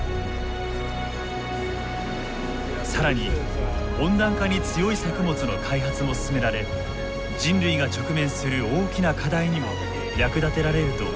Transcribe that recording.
更に温暖化に強い作物の開発も進められ人類が直面する大きな課題にも役立てられると期待されています。